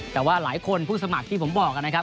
แต่ว่าหลายคนผู้สมัครที่ผมบอกนะครับ